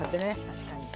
確かに。